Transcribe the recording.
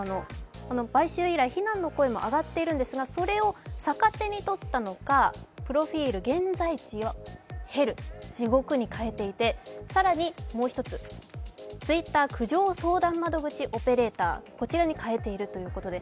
買収以来、非難の声も上がっているんですがそれを逆手に取ったのかプロフィール、現在地をＨｅｌｌに変えていて、更にもう一つ、Ｔｗｉｔｔｅｒ苦情相談窓口オペレーターに変えているということで